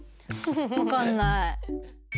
分かんない。